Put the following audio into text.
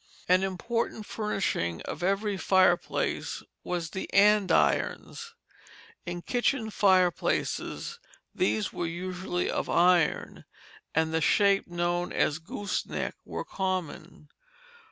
An important furnishing of every fireplace was the andirons. In kitchen fireplaces these were usually of iron, and the shape known as goose neck were common.